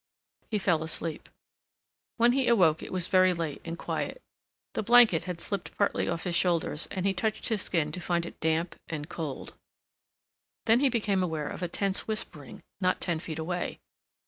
He fell asleep. When he awoke it was very late and quiet. The blanket had slipped partly off his shoulders and he touched his skin to find it damp and cold. Then he became aware of a tense whispering not ten feet away.